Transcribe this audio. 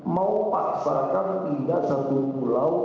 mau paksakan tinggal satu pulau